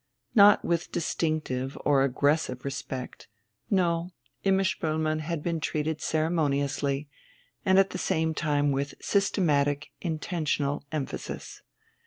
Not with distinctive or aggressive respect; no, Imma Spoelmann had been treated ceremoniously, and at the same time with systematic, intentional emphasis.